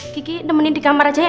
kiki nemenin di kamar aja ya